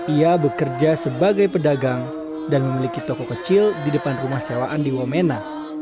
ia bekerja sebagai pedagang dan memiliki toko kecil di depan rumah sewaan di wamena